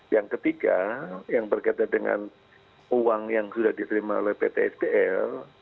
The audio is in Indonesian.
yang ketiga yang berkaitan dengan uang yang sudah diterima oleh pt sdl